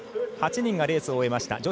８人がレースを終えました。